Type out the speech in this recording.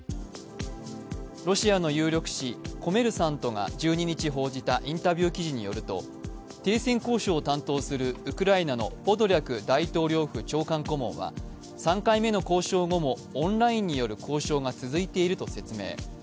ロシアの有力紙「コメルサント」が１２日報じたインタビュー記事によると停戦交渉を担当するウクライナのポドリャク大統領府長官顧問は３回目の交渉後もオンラインによる交渉が続いていると説明。